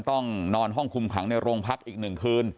ต้องนอนห้องคุมขังในโรงพักอีก๑คืน